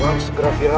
uang segera fial kan